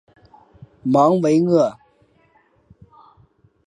芒维厄。